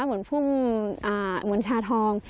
เหมือนพุ่มหมวนชาทอง